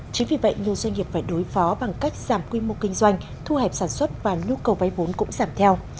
chính vì vậy nhiều doanh nghiệp phải đối phó bằng cách giảm quy mô kinh doanh thu hẹp sản xuất và nhu cầu vay vốn cũng giảm theo